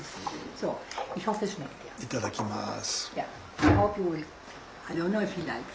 いただきます。